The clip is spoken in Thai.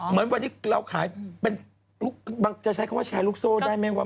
เหมือนวันนี้เราขายเป็นจะใช้คำว่าแชร์ลูกโซ่ได้ไหมวะ